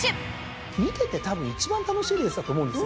見ててたぶん一番楽しいレースだと思うんですよ。